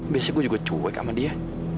biasanya gue juga cuek sama dia